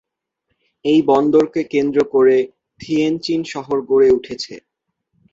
এই বন্দরকে কেন্দ্র করে থিয়েনচিন শহর গড়ে উঠেছে।